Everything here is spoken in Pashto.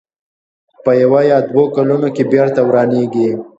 په یوه یا دوو کلونو کې بېرته ورانېږي.